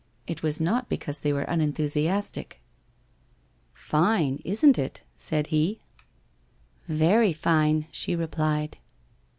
It was not because they were unenthusiastic. ' Fine, isn't it?' said he. ' Very fine,' she replied.